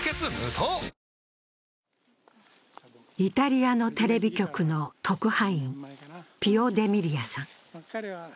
イタリアのテレビ局の特派員、ピオ・デミリアさん。